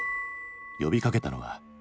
呼びかけたのは。